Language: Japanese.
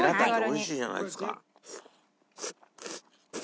美味しいじゃないですか。